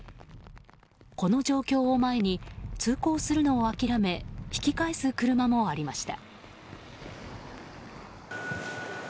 この状況を前に通行するのを諦め引き返す車もありました。